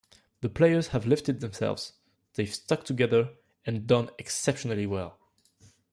The players have lifted themselves - they've stuck together and done exceptionally well.